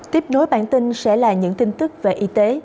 tiếp nối bản tin sẽ là những tin tức về y tế